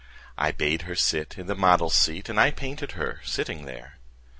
I bade her sit in the model's seat And I painted her sitting there.